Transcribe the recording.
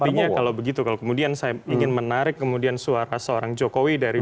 tapi artinya kalau begitu kalau kemudian saya ingin menarik kemudian suara seorang jokowi dari dua ribu sembilan belas